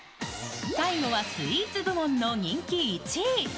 最後はスイーツ部門の人気１位。